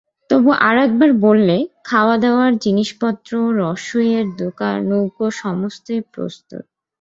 তবু আর-একবার বললে, খাওয়া-দাওয়ার জিনিস-পত্র, রসুইয়ের নৌকো সমস্তই প্রস্তুত।